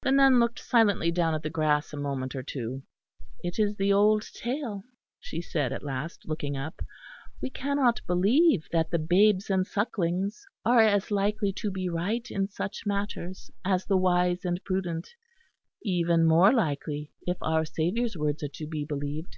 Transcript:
The nun looked silently down at the grass a moment or two. "It is the old tale," she said at last, looking up; "we cannot believe that the babes and sucklings are as likely to be right in such matters as the wise and prudent even more likely, if our Saviour's words are to be believed.